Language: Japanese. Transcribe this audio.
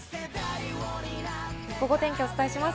ゴゴ天気をお伝えします。